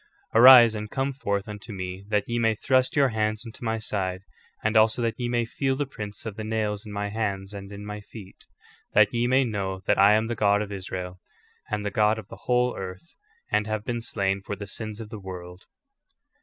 *'''* Arise and come forth unto me that ye may thrust your hands into my side, and also that ye may feel the prints of the nails in my hands and in my feet ; that ye may know that I am the God of Israel, and the God of the whole earth, and have been slain for the sins of the world.